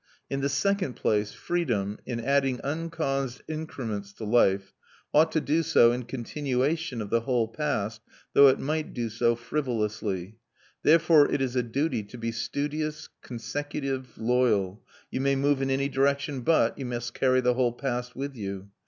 In the second place, freedom, in adding uncaused increments to life, ought to do so in continuation of the whole past, though it might do so frivolously: therefore it is a duty to be studious, consecutive, loyal; you may move in any direction but you must carry the whole past with you.